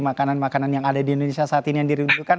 makanan makanan yang ada di indonesia saat ini yang dirindukan